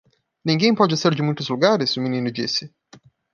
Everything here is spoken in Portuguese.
"Ninguém pode ser de muitos lugares?" o menino disse.